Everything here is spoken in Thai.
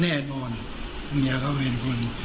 แน่นอนเมียเขาเป็นคน